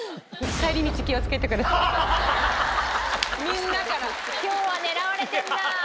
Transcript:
・みんなから・今日は狙われてんな。